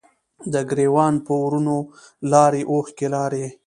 د ګریوان په ورونو لارې، اوښکې لارې